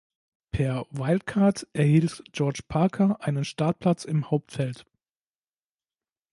Per Wildcard erhielt George Parker einen Startplatz im Hauptfeld.